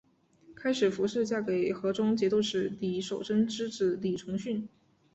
开始符氏嫁给河中节度使李守贞之子李崇训。